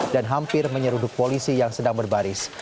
dan hampir menyeruduk polisi yang sedang berbaris